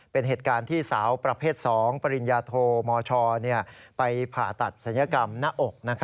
เป็นเหตุการณ์ที่สาวประเภท๒ปริญญาโทมชไปผ่าตัดศัลยกรรมหน้าอก